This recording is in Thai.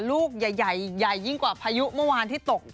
ลูกใหญ่ยิ่งกว่าพยุค์เมื่อวานที่ตก